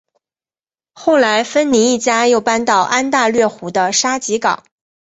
后来芬尼一家又搬到安大略湖的沙吉港。